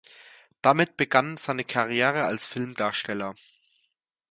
Damit begann seine Karriere als Filmdarsteller.